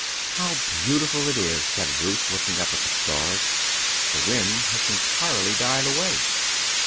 "How beautiful it is!" said Ruth, looking up at the stars. "The wind has entirely died away."